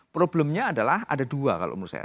problemnya adalah ada dua kalau menurut saya